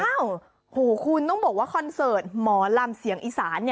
โอ้โหคุณต้องบอกว่าคอนเสิร์ตหมอลำเสียงอีสาน